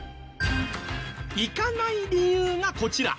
行かない理由がこちら。